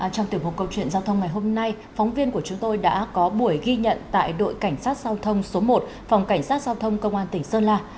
trong tiểu mục câu chuyện giao thông ngày hôm nay phóng viên của chúng tôi đã có buổi ghi nhận tại đội cảnh sát giao thông số một phòng cảnh sát giao thông công an tỉnh sơn la